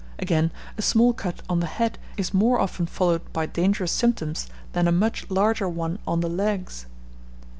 Again, a small cut on the head is more often followed by dangerous symptoms than a much larger one on the legs.